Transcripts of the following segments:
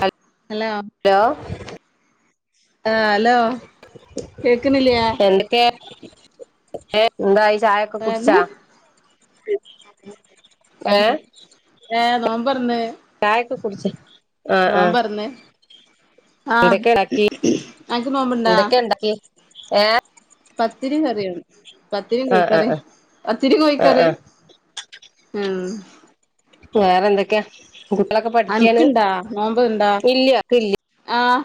Hello ആഏ hello കേക്കുന്നില്ലയാ ഏ എന്തായി ചായയൊക്കെ കുടിച്ചാ ഉ [unintelligible] ഏ നോമ്പൊർന്ന് ചായക്ക കുടിച്ച ആഹ ആഹ നോമ്പൊർന്ന് ആഹ് എന്തൊക്കെ ഉണ്ടാക്കി അൻക്ക് നോമ്പ്ണ്ടാ എന്തൊക്കെ ഉണ്ടാക്കി ഏ പത്തിരി കറിയാണ് പത്തിരിയും ആ ആ കോഴിക്കറി പത്തിരി ആ കോഴിക്കറി ആ ആഹ വേറെ എന്തൊക്കെയാ കുട്ടികളൊക്കെ പഠിക്കാണ് അൻക്ക്ണ്ടാ നോമ്പ്ണ്ടാ ഇല്ലക്ഇല്ല ആഹ്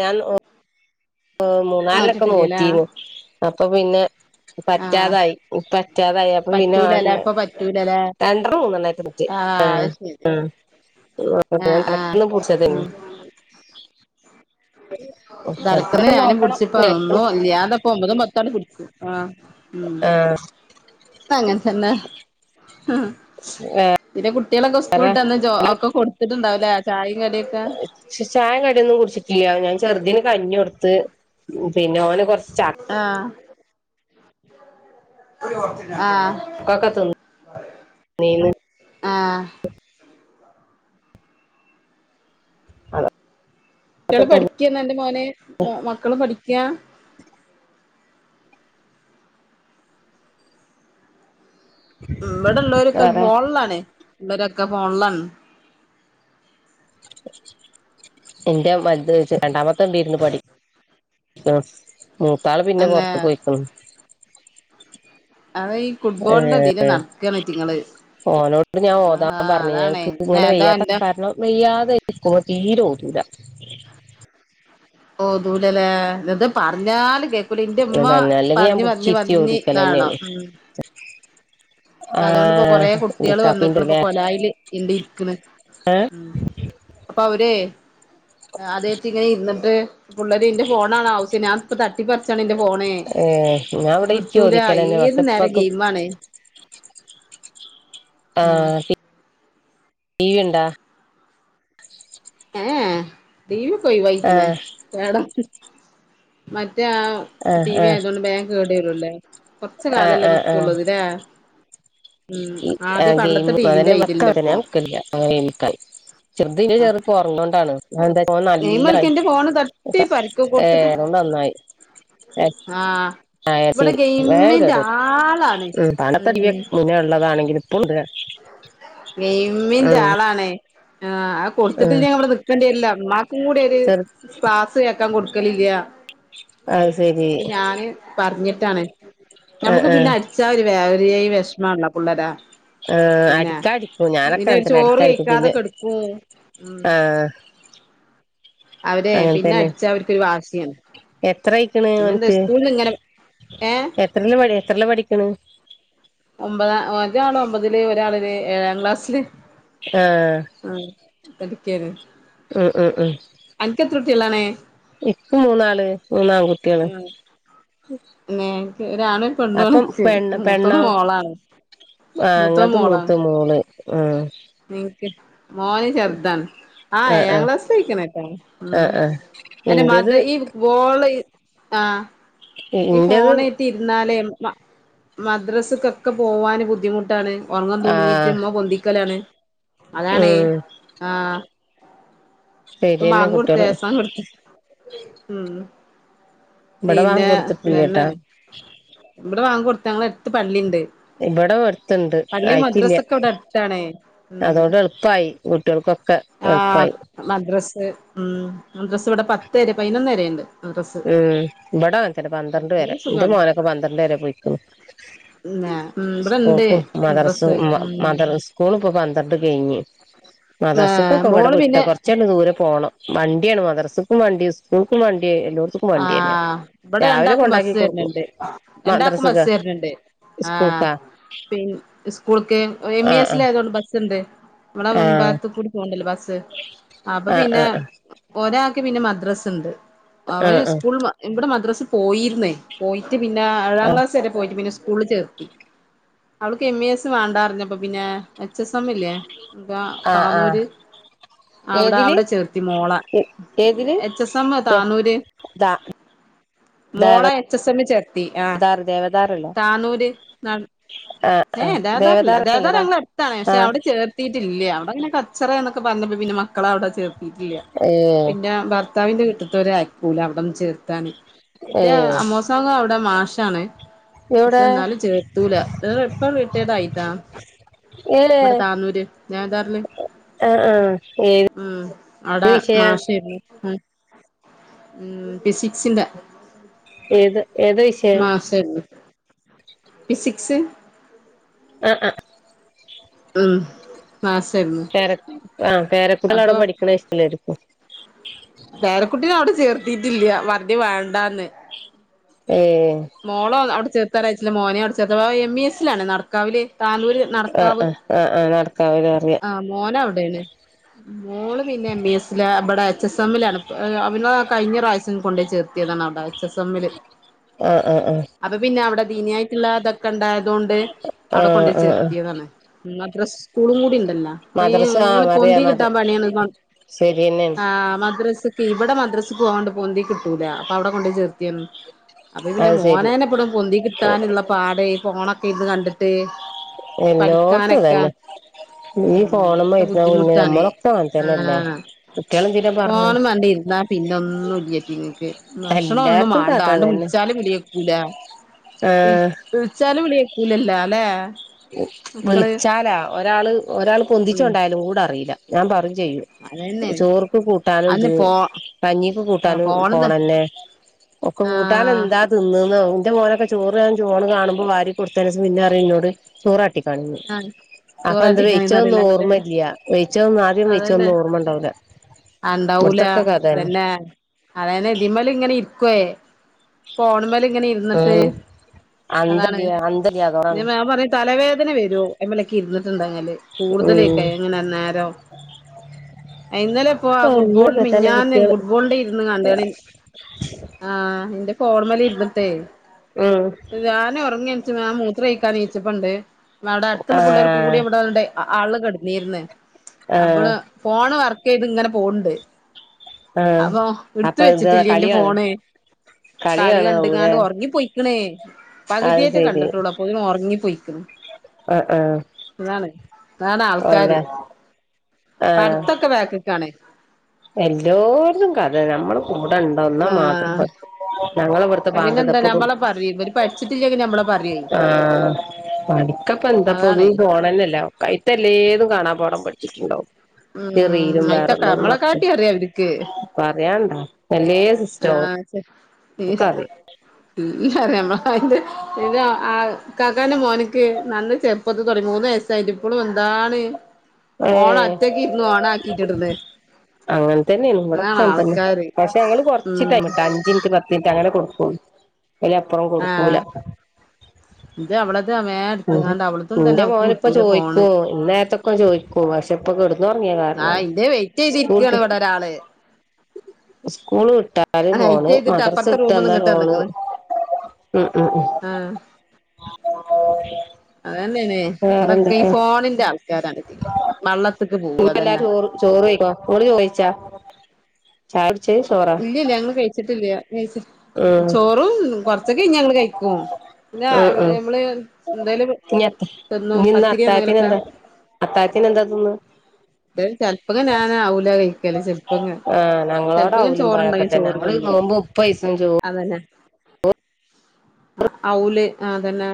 ൻ ഓ മൂന്നാലിലൊക്കെ നോറ്റിട്ടില്ലലേ നോറ്റീഅപ്പൊ പിന്നെ ആഹ് പറ്റാതായി പറ്റാതായി അപ്പൊ പിന്നെ പറ്റൂലലേ വ ഇപ്പൊ പറ്റൂലലേ രണ്ട മൂന്നെററ നോറ്റ് ആ ആഹ് അത് ശരി ആ ആ ഞാൻ ആഹ് ആഹ് തിലക്കന്നന്ന് പൊടിച്ച തങ്ങ തലക്കന്ന് ഞാനും നോക്കണം പിടിച്ചപ്പ ഒന്നും ഇല്ലാതെപ്പ ഒമ്പതും പത്തോണ്ട് പിടിച്ചു ആ ആഹ അങ്ങനത്തന്നെ പിന്നെ കുട്ടികളൊക്കെ വേറെ സ്കൂളിട്ട്ന്ന് ഒക്കെ കൊടുത്തിട്ടുണ്ടാവല ചായയും കറിയൊക്കെ. ചയ കടിയൊന്നും കുടിച്ചിട്ടില്ല. ഞാൻ ചെറുതീന് കഞ്ഞി കൊടുത്ത് പിന്നെ അവനെ കൊറ ആഹ [unintelligible] ആ [unintelligible] ഒക്കെ കുട്ടിള് തന്നെ പഠിക്കൃന്ന എന്റെ മോനെ മക്കളും പഠിക്കൃ ഇവിടെള്ളവരൊക്കെ വേറെ ഫോണലാണ് ഉള്ളരൊക്കെ ഫോണലാണ്. എന്റെ വലു ത് രണ്ടാമത്തെ ഉണ്ട് ഇരുന്നു പഠിക്ക്ണ് മൂത്താള് പിന്നെ അന്നെ പുറത്ത്ക് പോയിക്ക്ണ്. അത ഈ ഫുട്ബോളിന്റെ ദല നടക്കാണ്റ്റിങ്ങള് ഫോണോട് ഞാൻ ഓതാൻ പറഞ്ഞുഞക്ക് ഇങ്ങനെ നേതാ വെയ്യാത്ത എന്റെ കാരണം വെയ്യാതെ എക്ക തീരോതല ഓ ദൂലല്ലേ നിത് പറഞ്ഞാല് കേ അല എന്റെമ്മ അതന്നെ അല്ലെങ്കിൽ ഞാൻ പറഞ്ഞ പറന്ന പിടിച്ചിരുത്തി വന്നിതാണോ ഓതിക്കലന്നെയാണ് ഉ അപ്പ ആ അതുകൊണ്ട്ിപ്പോൊ കൊറെ കുട്ടികള് വന്നക്കണ ഇപ്പ ഇക്കാക്കിണ്ട്ല്ലേ കൊലായില് ഇണ്ട് ഇരിക്കണ് ഉ അപ്പൊ അവര അതേച്ചി ഇങ്ങനെ ഇന്നിട്ട് പള്ളര് എന്റെ ഫോണാണ് ആവശ്യനപ്പ തട്ടിപ്പിച്ചാണ് എന്റെ പോണേ ഏ ഞാൻ ഇവിടെ ഇരുത്തി വിട്ടൂല ഓതിക്കലന്നെ ഏത് പക്ഷെ നേരം ഇപ്പക്ക് ഗെയിം ആണ ആഹ് ടീ ടീവിണ്ടോ [unintelligible] ഏ ടീവിയൊക്കെ ആ ഒഴിവായിക്കണ് കേടം മ റ്റെ ആ ആ ടി ആ വി ആയതോണ്ട് ബേം കേടരൂല്ലേ കൊറച്ച് കാലല്ലേ നിക്കൊള്ളൂ അതല്ലേ ഉം ആ ഗെയിം ടിവിന്റെ അതന്നെ ഇതില്ല [unintelligible] ഞാന് ഇപ്പൊ വെക്കലില്ല ആ [unintelligible] ചെറുതിന് ആ [unintelligible] ഒറ്ന്നോണ്ടാണ് അയെന്താ ഓ ഗെയിംകളിക്ക നല്ലായി എന്റെ ഫോണ് തട്ടി ഒക്കെ ഏ ഏറോണ്ട് നന്നായി ആഹ് ആയെ ശരി വേം കേടരും ആളാണ് ഉം ഉം [unintelligible] മുന്നേള്ള താണെങ്കിലും ഇപ്പോളുണ്ട് നെയ്മിന്റെ ആളണേ ആ അത് കൊടുത്തിട്ട്ല്ലെ ഉം ഇന്നാ ഇവിടെ നിക്കണ്ടിവരില്ല ഇമ്മാക്കൂടി ഒരു ചെറു ക്ലാസ് കേക്കാൻ കൊടു ക്കലില്ല അത് ശരി ഞ്ഞിട്ട് ഞാന് പറഞ്ഞിട്ടാണ് ആ നമ്മക്ക് ആ പിന്നെ അടിച്ചാല് വേ ഒര്‌ വെഷ്മാണല്ലൊ പിള്ളാരെ ആഹ് അടിക്ക അടി പിന്നെ അയ് ചോറ് കഴിക്കാതെ കെടക്കും ഉം ആ അവരെ അങ്ങനെ പിന്നെ അടിച്ച അവർക്കൊരു വാശിയാണ് എത്രായിക്ക്ണ് പിന്നെന്താ ഓൻക്ക് സ്കൂളിൽ ഇങ്ങനെ ഏഹ് എത്രേല്ല പഠി എത്രേല്ലാ പഠിക്കേണെ ഒമ്പത ഒരാള് ഒമ്പതില് ഒരാള്ല് ഏഴാം ക്ലാസ്സില് ആഹ് കടുക്ക്യേണ് ആ ആ ആ ക്കെത്ര കുട്ടിയളാണ് ഇപ്പ മൂന്നാള് മൂന്നാൺ കുട്ട്യേള് ഒരാണും പെണ്ണു ആണനിക്ക് മൂത്തത് പെണ്ണോ മോളാണ് ആഹ് മുത്ത ഇങ്ങൾത് മോളാണ് മൂത്ത മോള് ആഹ് ഇനിക്ക് മോന് ചെറുതാണ് ആഹ് ഏഴാം ക്ലാസ് പോയിക്ക്ണ് എന്താലും ഉം ആഹ് ആഹ് ഇന്റത് [unintelligible] ആ ഈ ഇന്റത് ഫോണേറ്റ് ഇരുന്നാലേ മ മദ്രസ് ക്കൊക്കെ പോവാന് ബുദ്ധിമുട്ടാണ് ഒറങ്ങം തൂങ്ങിട്ട് ആഹ് ഇമ്മ പൊന്തിക്കലാണ് അതാണേ ഉം ആഹ് ഇപ്പം ശരിയെന്നെ ബാങ്ക് കൊടുത്ത് കുട്ടികള് ഏസാങ്കോട്ത്ത് ഉം ഇവിടെ ബാങ്ക് പിന്നെ കൊടുത്തിട്ടില്ലട്ടാ ഇതന്നെ ഇവിടെ വാങ്കൊടുത്ത ഞങ്ങളെ എട്ത്ത് പള്ളിണ്ട് ഇവിടെ ഓ എടുത്ത്ണ്ട് പള്ളി ആയിട്ടില്ല മദ്രസൊക്കെ ഇവിടെ അടുത്താണേ ഉം അതോണ്ട് എളുപ്പായി കുട്ട്യള് കൊക്കെ എളുപ്പായി സ്സ് ഉം മദ്രസ്സ് ഇവിടെ പത്തരെ പതിനൊന്ന് വരേണ്ട് ഉം ഇവിടെ അങ്ങനത്തന്നെ പന്ത്രണ്ട് വരെ എന്നാലും എന്റെ സുഖാണ് മോനൊക്കെ പന്ത്രണ്ട് വരെ പോയിക്ക്ണ് ഉം ഇവിടെ ഇണ്ട് സ്കൂൾക്കും മദർസ് മദ്രസ് ഉം മ മദർ സ്കൂള്പ്പൊ പന്ത്രണ്ട് കഴിഞ്ഞ് ആഹ് മദ്രസ്സുക്കൊക്കെ ഇവിടെ മോള് വിട്ടോ പിന്നെ കൊറച്ചയിഞ്ഞ് ദൂരൊക്കു പ്പോണം വണ്ടിയാണ് മദ്രസക്കും വണ്ടി സ്കൂൾക്കും വണ്ടി എല്ലോ ആ ഇവിടെ രണ്ടാക്കും ബസ് കൊടുക്കും വര്ണണ്ട് രണ്ടാക്കും മദ്രസക്കാ ബസ് വരണണ്ട് ആ സ്കൂൾക്കാ പി സ്കൂൾക്ക് എം ആ ഇ എസ് ആയതോണ്ട് ബസ്സ്ണ്ട് ഇവിടെ ആ മുൻഭാഗത്തക്കൂടി പോവ്ണ്ടല്ലോ ബസ് അപ്പൊ ആ ആ ആ പിന്നെ ആ ഒരാ ക്ക് പിന്നെ മദ്രസ്സ്ണ്ട് അവന് സ്കൂള് മ ഇവിടെ മദ്രസ്സി പോയിര്ന്ന് പോയി ട്ട് പിന്നെ ഏഴാം ആ ക്ലാസ്സ് വരെ പോയിട്ട് പിന്നെ സ് കൂളില് ചേർത്തി അവൾക്ക് എം ഇ എസ് വേണ്ടാറിഞ്ഞപ്പ പിന്നെ എച്ച് എസ് എം ഇല്ലേ ബാ ആ ആ ആ താന്നൂര് അവിടാ ഏതില് അവിടാ ചേർത്തി മോളെ ഏതില് എച്ച് എസ് എം ദേ താന്നൂര് ദാ മോളെ ദേവദാർ എച്ച് എസ് എമ്മി ചേർത്തി ആ ദേവദാറല്ലേ താന്നൂര് നട് ആ ഏ ദാദാറ്ല്ല് ഇല്ല ദാദാർ ദേവദാറല്ലേതാ ഞങ്ങള അട്ത്താണ് പക്ഷെ ആ അവിടെ ചേർത്തിട്ടില്ല അവിടെങ്ങനെ കച്ചറെ അറ് പറഞ്ഞപ്പോ പിന്നെ മക്കള അവിടെ ചേർത്തിട്ടില്ല ഏ പിന്നെ ഭർത്താവിന്റെ വീട്ടിതൊരു പൂല അവിടന്ന് ചെർുത്താണ് ഏ എന്റെ അമ്മോശക്ക അവിടെ മാഷാണ് പക്ഷെ എവിടെ എന്നാലും ചേർത്തൂല നി എപ്പ റേറ്റേർഡ് ആയിട്ടോ ഏ ഇവിടെ താന്നൂര് ഞാൻ ആ ആ ഏത് ഉം അട വിഷയാ മാഷെർന്നു ഉ ഫിസിക്സിന്റെ ഏത് ഏത് വിഷയം മാഷെർന്നു ഫിസിക്സ് ആഹ ആ ഉം മാഷായിരുന്നു പര ആപേരക്കുട്ടികൾ അവിടെ അപ്പൊ പഠിക്കണ ഇഷ്ടലായിരിക്കും പേരക്കുട്ടിനെ അവിടെ ചേർത്തിട്ടില്ല വറതെ വേണ്ടന്ന് ഏ മോളോ അവിടെ ചേർത്താലയച്ചില്ല മോനെ അവിടെ ചേർത്ത എം ഇ എസ്സിലാണ് നടക്കാവില് താനൂര് ആ നടക്കാവ് ആ ആ ആ നടക്കാവല അറിയാം ആഹ മോന അവിടൊണ് മോള് പിന്നെ എം ഇ എസ് ൽ അവിടെ എച്ച് എസ് എമ്മിലാണ് അോ കഴിഞ്ഞ പ്രാവശ്യം കൊണ്ട ചേർത്തിയതാണ് അവിടെ എച്ച് എസ് എംില് ആ ആ ആ അപ്പൊ പിന്നെ അവിടെ ദീനിയായിട്ടുള്ള അതൊക്കെ ഉണ്ടായതൊണ്ട് ആ ആ ആ അവിടെചേർത്തിയതാണ് മദ്രസ ആ പൊന്ദി അറിയാം മത കിട്ടാൻ പണിയാൻ ശരിയന്നെയാണ് ആ മദ്രസ ഇവിടെ മദ്രസ്ക്ക് പോവാ കൊണ്ട് പോന്ദി കിട്ടൂല അപ്പൊ അവ്ടെ കൊണ്ട ചേർത്തിയന്ന് അപ്പൊ പിന്നെ അത് ശരി മോനേനെ എപ്പടും പൊന്തി കിട്ടാനുള്ള പാട ഫോൺ ഇരുന്ന് കണ്ടിട്ട് എല്ലോടത്തും പഠിക്കാനൊക്കെ തന്നെ ഉ ഈ ഫോണുമ്മ ഇക്ക ഇരുന്ന കുഞ്ഞ് ബുദ്ധിമുട്ടാാണ്േ നമ്മളൊക്കെ അങ്ങനെ തന്നെല്ലേ കുട്ടികള് എന്തിനാ പറഞ്ഞ് ആഫോൺ കണ്ടിരുന്നാൽ പിന്നെ ഒന്നും ഇല്ലറ്റി ഇങ്ങക്ക് ഭക്ഷണ ഒന്നും എല്ലായിടത്തും വാണ്ട കഥ അതന്നെ വിളിച്ചല് വിളി കേൾക്കൂല ആ വിളിച്ചാലും വിളിയക്കൂലല്ല അല്ലെ മക്കള് വിളിച്ചാലാ ഒരാള് ഒരാൾ ഉം പൊന്തിച്ചോണ്ടായാലും കൂടെ അറിയില്ല ഞാൻ പറഞ്ഞു ചെയ്യും അതന്നെ ചോർക്ക് കൂട്ടാനും അന്ന് ഇത് ഫോ കഞ്ഞിക്ക്െ കൂട്ടാനും ഫോണ്ന്ന് ഫോണെന്നെ ഒക്കെ കൂട്ടാന ആഹ് എന്താ തിന്നന്ന് എന്റെ മോനൊക്കെ ചോറ് ഞാൻ ഫോൺ കാണുമ്പോ വാരി കൊടുത്തതിന് ശേഷം പിന്നരിം ന്നോട് ചോറ് കാട്ടിക്കാണി ആഹ് അപ്പൊ എന്ത വെയിിച്ച ചോറാറ്റിക്കാനൊന്നും ഒന്നും ഓർമ്മ അറിയില്ലാന്നല്ലേ ഇല്ല വെയിിച്ച ഒന്നും ആദ്യം വെിച്ച ഒന്നും ഓർമ്മ ഉണ്ടാവില്ല ഉണ്ടാവൂല ഇവിടത്തൊക്കെ കഥന്നെ ഇതന്നെ അതനെ ഇതിമല ഇങ്ങനെ ഇരിക്കുവയേ ഫോണിന്മേൽ ഇങ്ങനെ ഇരുന്നിട്ട് ഉം അതാണ് അന്തല്ല അന്തല്ല ഞ അതോടാണ് മാ പറഞ്ഞ തലവേദന വരുമോ അയ്മ്മളൊക്കെ ഇരുന്നിട്ടുണ്ടങ്കല് കൂടുതലക്ക ഉം എങ്ങനെന്നരം ഇ ഇന്നലെ ഇപ്പൊ ആ ഫുട്ബോള അങ്ങനൊക്കെ തന്നെ മിഞ്ഞാ കുട്ടികള് ഫുട്ബോളിന്റെ ഇരുന്ന് കണ്ടുകി ആഹ് എന്റെ ഫോണ്മല ഇരുന്നിട്ടെ ഉം ഞാന ഉറങ്ങി മൂത്രോയ്ക്കാൻ എണീച്ചപ്പോ ണ്ട് അവിടെ അടുത്തുള്ള പിള്ളേർക്ക് ആഹ് കൂടി ഇവിടെ ആ കടന്നീർന്നു ആഹ് അപ്പള് ഫോണ് വർക്ക് ചെയ്ത് ഇങ്ങനെ പോണ്ട് ആഹ് അപ്പൊ എടുത്ത അപ്പൊ ഇത് വെച്ചിട്ടില്ല എന്റെ കളിയാണ് ഫോണ് കളി കളിയാണ് ല്ലേ കണ്ടങ്ങാണ്ട് ഉറങ്ങി പോയി ണേ അത് പകുതിയായിട്ടേ കണ്ടിട്ടുള്ളൂ അപ്പോത്തിനും ഉറങ്ങി പൊയ്ക്കൻ ആഹ ആഹ ഇതാണ് ആൾക്കാാര് ആഹ് പടുത്തൊക്കെ വേക്കക്കണേ എല്ലോടത്തും കഥ നമ്മള് കൂടെ ഇണ്ടോ ഒന്നാ മാത്രം ഞങ്ങളെ ഇവിടുത്തെ അ ബാങ്ക് ഇതാ പിന്നെന്താ നമ്മളെ പറയും ഇവര് പഠിച്ചിട്ടില്ലങ്കെ നമ്മളെ പറയും ആഹ മടിക്കപ്പ എന്താപ്പൊത് അതാണേ പോണന്നല്ല കായിട്ടല്ലേഏതും കാണാ ടം പഠിച്ചിട്ടുണ്ടാവും ചെറിയയിലും വേറെള്ളും എ അറിയ അവർക്ക് പറയാണ്ടോ എല്ലാം സിസ്റ്റാവും എ അിയ അന്റെ ഇ ആ കാക്കന്റെ മോനക്ക് നന്ന ചെുപ്പത്ത് തുടങ്ങി പോക എസ്യി് എപ്പോളും എന്താണ് പോഓണം ഏഹ് അറ്റക്കെ ഇരുന്നു ഓണ ആക്കിട്ടിടന്ന് അങ്ങനെ തന്നെയ ഇടൊക്ക തന്നെ പക്ഷെ ഞങ്ങള് കൊറ ഉം ചിട്ടായിിട്ട് അഞ്ചിനിറ്റ് പത്തി മിനിറ്റ് അങ്ങനെ കൊടുക്കൂ അലപ്പുറം കൊടുക്കൂല ആഹ് ഇത് അവളത് മേ എടുത്ത്ങ്ങാണ്ട് അവളതും തന്നെ നിന്റെ അവക്ക് മോൻ ഇപ്പ കിട്ടൂല ഫോണ് ചോദിക്കും ഇന്നേരത്തൊക്കെ ചോദിക്കും പക്ഷെ ഇപ്പൊ കിടന്നുറങ്ങിയ കാരണാണ് അന്റെ വെയിറ്റ് ചെയ്തിരിക്കയാണ് സ്കൂൾട്ട് ഇവിടെ ഒരാള് സ്കൂള് വിട്ടല് പോണ് വെയിറ്റ് ചെയ്തിട്ട് മദർസ് അപ്പറത്തെ ഇട്ടു റൂമ്ന്ന് വന്നാ ഇങ്ങട്ട് പോണ് വന്ന്ക്ക്ണ് ഉം ഉം ഉ അത തന്നെയണേ ഇവിടൊക്കെ ഈ ഫോണിന്റെ ആ ഇ അതന്നെ എല്ലാരും ചോറ് ചോറ് ചോിക്കോ കൂട് ചോദിച്ചാ ശായ ഇല്ലല്ല ഞങ്ങൾ കഴിച്ചിട്ടില്ല കഴിച്ച ഉം ചോറും കൊറച്ചൊക്കെ കഴഞ്ഞ് ഞങ്ങള്ൾ കഴിക്കുവോ പിന്നാ ഉം ഉം നമ്മള് എന്തായാലും ഇനി അത്ത തന്നു പത്തിരി എന്തെങ്കിലൊക്കെ അത്താത്തിന് എന്താ തിന്നാ ചെിലപ്പ ഞൻ ആല കഴിക്കല് ചെപ്പ ആഹ് ഞങ്ങളോട ഇപ്പ ഇങ്ങനെ അവലും ചോറണ്ട് പഴൊക്കെ അങ്ങനെ തന്നെ ഞങ്ങള് ചോറ്ണ്ട് നോമ്പ് മുപ്പയിസം അതന്നെ ഔല ആ തന്നെ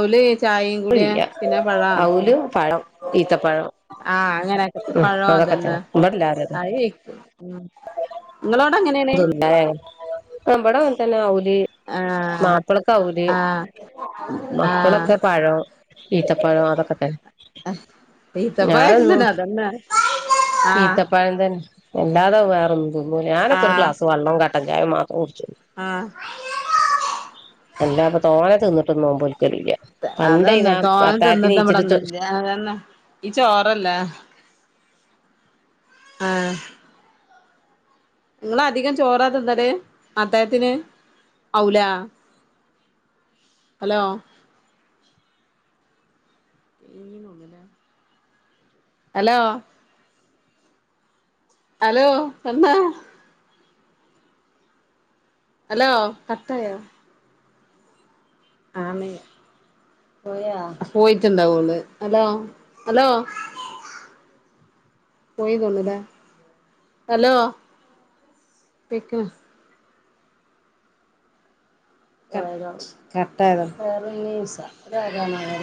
ഔല ചായയും കൂടെിയ ചോറില്ല പിന്നെ പഴം അവലും പഴം ഈത്തപ്പഴം ആഹ അങ്ങനെയക്ക ഉം പഴ അതൊക്കെ തന്നെ ഇവിടെ എല്ലാരും അതാ അതെ അേ ആ ബടവന്തനെ ഔലി ആഹ് മാപ്പിളക്കെ ൗലും ആഹ് ആഹ് മക്കളൊക്കെ പഴം ഈത്തപ്പഴം അതൊക്കെ തന്നെ ഈത്തപ്പഴൊക്കെ ഞാനന്നു തന്നെ അതന്നെ ആഹ് ഈതപ്പഴന്തന്ന എല്ലാതെ വേറെന്തതു ഞാനൊക്കെ ഒരു ഗക്ലാസ് വള്ളവും കട്ടൻ ചായ മാത്രം കുടിച്ചു ആ എല്ലാ ഇപ്പ തോലെ തിന്നിട്ട് നോവുമ്പോും അതന്നെ തോന്നി ന്നിട്ട് നീച്ചിട്ട് ഇവിടെന്ന അന്നെ ഈ ചോറല്ലേ ആ നിങ്ങള അധികം ചോറാത്തന്നല്ലേ അത്താഴത്തിന്ഔല ഹലോ നി നകന ഹലോ ഹലോ എന്താ ഹലോ കായോ ആമ പോയാ പോയിട്ടുണ്ടാവ കള് ഹലോ ഹലോ പോയിതള്ളൂല്ലേ ഹലോ പക്ക കട്ടായത വേറസ